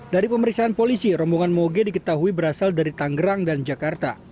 dari pemeriksaan polisi rombongan moge diketahui berasal dari tanggerang dan jakarta